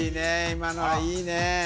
今のはいいねえ